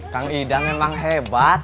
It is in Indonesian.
kang idan emang hebat